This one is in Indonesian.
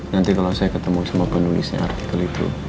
nanti kalau saya ketemu sama penulisnya artikel itu